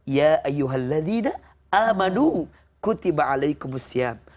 ya ayuhal ladina amanu kutiba alaikumusiam